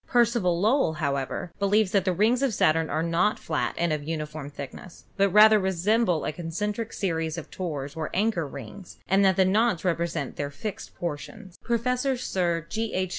Percival Lowell, however, believes that the rings of Saturn are not flat and of uni form thickness, but rather resemble a concentric series of tores or anchor rings, and that the knots represent their fixed portions. Professor Sir G. H.